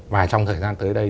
và trong thời gian tới đây